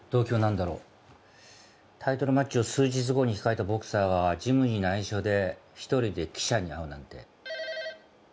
タイトルマッチを数日後に控えたボクサーがジムに内緒で１人で記者に会うなんて。